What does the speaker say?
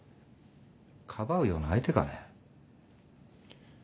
かばうような相手かね？